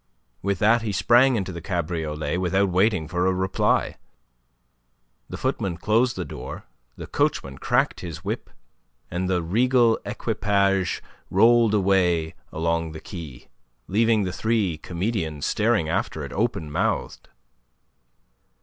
With that he sprang into the cabriolet without waiting for a reply. The footman closed the door, the coachman cracked his whip, and the regal equipage rolled away along the quay, leaving the three comedians staring after it, open mouthed...